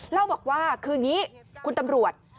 เล่าบอกว่าคืออย่างนี้คุณตำรวจ